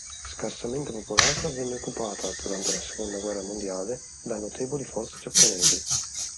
Scarsamente popolata venne occupata, durante la seconda guerra mondiale, da notevoli forze giapponesi.